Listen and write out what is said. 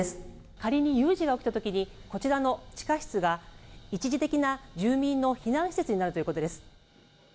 仮に有事が起きたときに、こちらの地下室が一時的な住民の避難施設になるということです。